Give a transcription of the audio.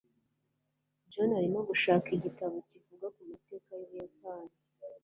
John arimo gushaka igitabo kivuga ku mateka y'Ubuyapani.